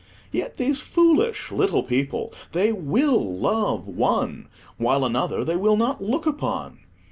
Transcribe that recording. Yet these foolish little people! they will love one, while another they will not look upon.